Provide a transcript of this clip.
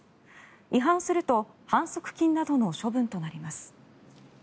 違反すると反則金などの処分となります。